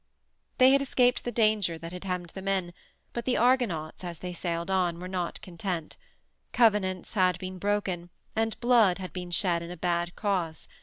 They had escaped the danger that had hemmed them in, but the Argonauts, as they sailed on, were not content; covenants had been broken, and blood had been shed in a bad cause.